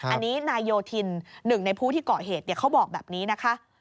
อันนี้นายโยธินหนึ่งในผู้ที่เกาะเหตุเขาบอกแบบนี้นะคะ